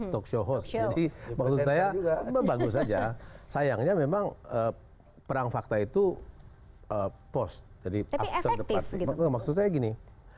talkshow host jadi maksud saya bagus saja sayangnya memang perang fakta itu post jadi maksud saya gini